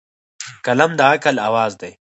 قلم د عقل اواز دی